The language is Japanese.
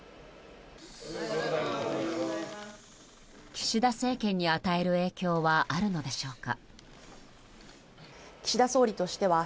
岸田政権に与える影響はあるのでしょうか。